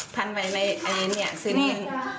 พันไปในอันเนี่ยซึ่งนี่